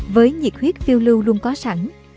với nhiệt huyết phiêu lưu luôn có sẵn